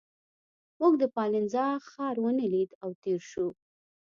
موږ د پالنزا ښار ونه لید او تېر شوو.